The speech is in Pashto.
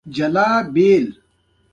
ایا ستاسو پل صراط به اسانه وي؟